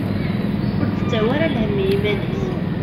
Ur d-ttawi ara lhemm i iman-ik.